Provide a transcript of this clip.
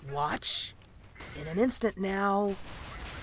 Watch ... In an instant now